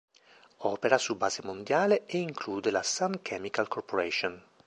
Opera su base mondiale e include la Sun Chemical corporation.